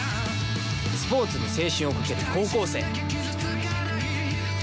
スポーツに青春をかける高校生。